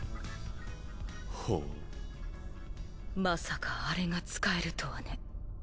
まさかあれが使えるとはね。